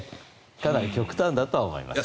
ただ、極端だとは思います。